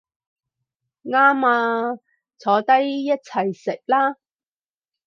啱吖，坐低一齊食啦